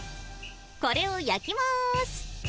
これを焼きます。